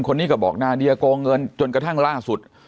คนนี้ก็บอกนาเดียโกงเงินจนกระทั่งล่าสุด